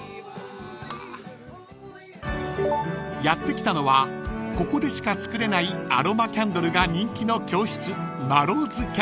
［やって来たのはここでしか作れないアロマキャンドルが人気の教室ＭＡＲＯＳＣＡＮＤＬＥ］